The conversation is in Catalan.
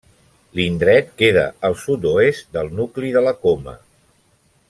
L'indret queda al sud-oest del nucli de la Coma.